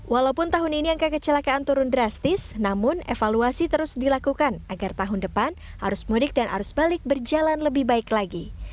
walaupun tahun ini angka kecelakaan turun drastis namun evaluasi terus dilakukan agar tahun depan arus mudik dan arus balik berjalan lebih baik lagi